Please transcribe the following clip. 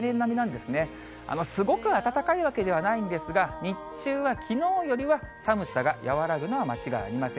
すごく暖かいわけではないんですが、日中はきのうよりは寒さが和らぐのは間違いありません。